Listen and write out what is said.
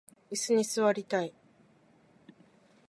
いすに座りたい